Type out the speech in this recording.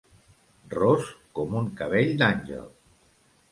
Ros com un cabell d'àngel.